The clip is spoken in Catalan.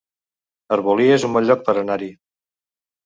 Arbolí es un bon lloc per anar-hi